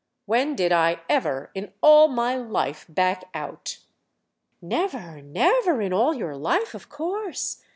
"When did I ever in all my life back out?" "Never, never in all your life of course!"